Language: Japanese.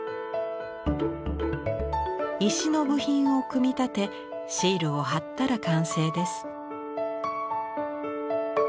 石の部品を組み立てシールを貼ったら完成です。